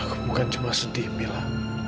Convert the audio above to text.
aku bukan cuma sedih bilang